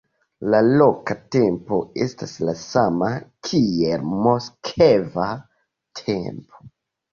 La loka tempo estas la sama kiel moskva tempo.